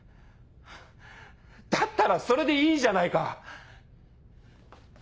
だったらそれでいいじゃないか。